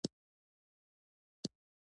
دوی فیشن او ټیکنالوژي خوښوي.